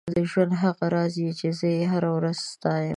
ته د ژوند هغه راز یې چې زه یې هره ورځ ستایم.